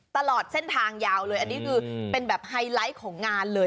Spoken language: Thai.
ตลอดเส้นทางยาวเลยอันนี้คือเป็นแบบไฮไลท์ของงานเลย